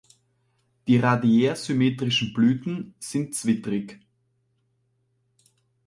Die radiärsymmetrischen Blüten sind zwittrig.